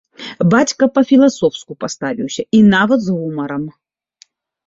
Бацька па-філасофску паставіўся, і нават з гумарам.